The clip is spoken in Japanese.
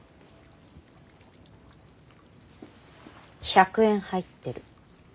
１００円入ってる。